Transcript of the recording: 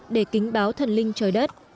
để kính báo thần linh trời đất